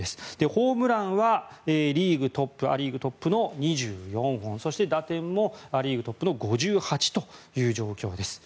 ホームランはア・リーグトップの２４本そして打点もア・リーグトップの５８という状況です。